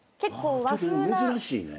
ちょっと珍しいね。